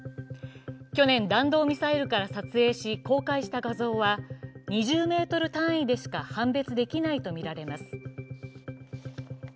去年、弾道ミサイルから撮影し公開した画像は２０ｍ単位でしか判別できないとみられます。